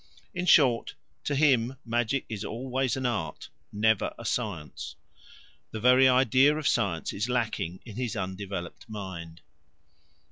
In short, to him magic is always an art, never a science; the very idea of science is lacking in his undeveloped mind.